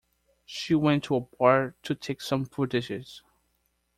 She went to a park to take some footages.